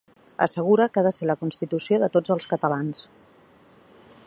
Assegura que ha de ser la constitució de ‘tots els catalans’.